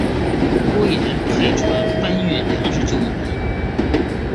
郭衍派船搬运粮食救援。